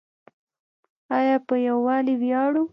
آیا په یوالي ویاړو؟